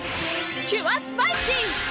キュアスパイシー！